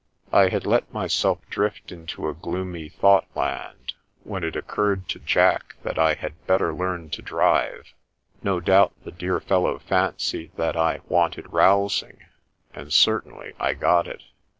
I had let myself drift into a gloomy thought land, when it occurred to Jack that I had better learn to drive. No doubt the dear fellow fancied that I " wanted rousing," and certainly I got it.